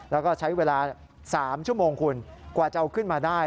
แล้วก็ใช้เวลา๓ชั่วโมงคุณกว่าจะเอาขึ้นมาได้